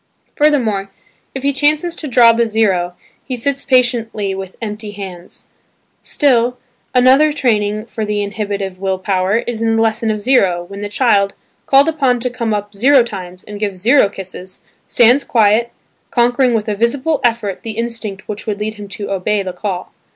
Furthermore if he chances to draw the zero he sits patiently with empty hands. Still another training for the inhibitive will power is in "the lesson of zero" when the child, called upon to come up zero times and give zero kisses, stands quiet, conquering with a visible effort the instinct which would lead him to "obey" the call.